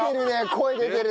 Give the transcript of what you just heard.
声出てる。